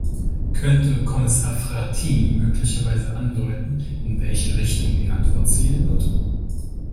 Könnte Kommissar Frattini möglicherweise andeuten, in welche Richtung die Antwort zielen wird?